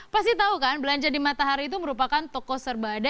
pasti tahu kan belanja di matahari itu merupakan toko serbada